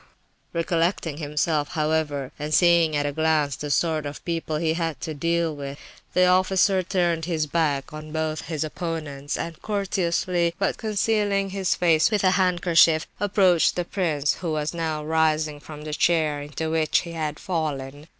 Ha, ha!" Recollecting himself, however, and seeing at a glance the sort of people he had to deal with, the officer turned his back on both his opponents, and courteously, but concealing his face with his handkerchief, approached the prince, who was now rising from the chair into which he had fallen.